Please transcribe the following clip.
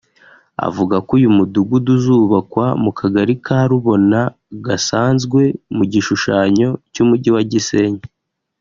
Avuga ko uyu mudugudu uzubakwa mu kagari ka Rubona gasanzwe mu gishushanyo cy’umujyi wa Gisenyi